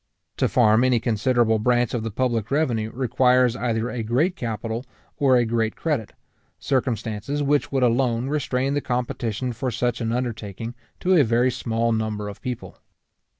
To farm any considerable branch of the public revenue requires either a great capital, or a great credit; circumstances which would alone restrain the competition for such an undertaking to a very small number of people.